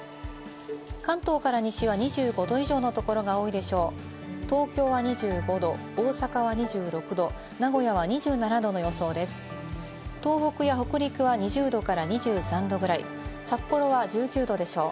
関東から西は２５度以上のところが多いでしょう。